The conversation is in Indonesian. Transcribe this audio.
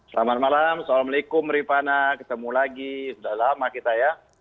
selamat malam assalamualaikum rifana ketemu lagi sudah lama kita ya